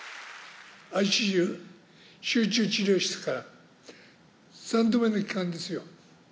ＩＣＵ集中治療室から３度目の帰還ですよ。